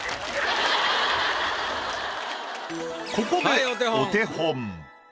ここでお手本。